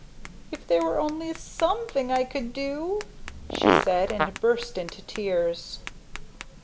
"If there were only _some_thing I could do," she said, and burst into tears.